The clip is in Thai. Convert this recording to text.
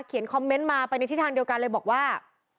คอมเมนต์มาไปในทิศทางเดียวกันเลยบอกว่า